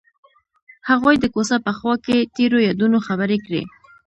هغوی د کوڅه په خوا کې تیرو یادونو خبرې کړې.